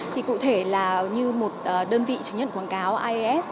thì cụ thể là như một đơn vị chứng nhận quảng cáo ais